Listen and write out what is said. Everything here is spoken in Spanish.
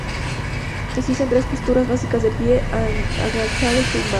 Existen tres posturas básicas: de pie, agachado y tumbado.